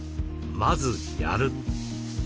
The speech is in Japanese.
まずやる。